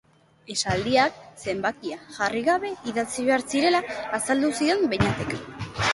Esaldiak zenbakia jarri gabe idatzi behar zirela azaldu zidan Beñatek.